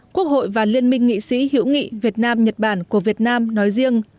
quốc hội và liên minh nghị sĩ hữu nghị việt nam nhật bản của việt nam nói riêng